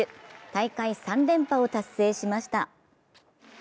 大会３連覇を達成しました。